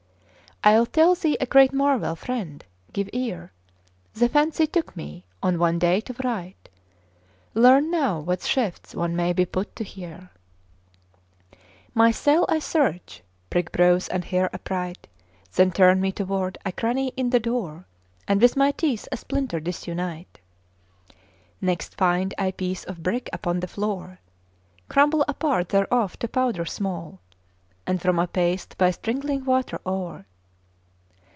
I'll tell thee a great marvel! Friend, give ear! '' The fancy took me on one day to write: Learn now what shifts one may be put to here. My cell I search, prick brows and hair upright, Then turn me toward a cranny in the door, '' And with my teeth a splinter disunite; Next find a piece of brick upon the floor, Crumble a part thereof to powder small, And form a paste by sprinkling water o'er.